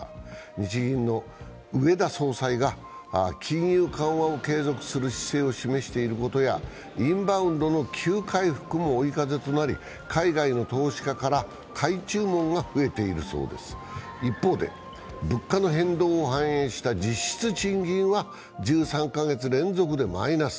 日銀の植田総裁が金融緩和を継続する姿勢を示していることやインバウンドの急回復も追い風となり、海外の投資家から買い注文が増えているそうです、一方で一方で物価の変動を反映した実質賃金は１３か月連続でマイナス。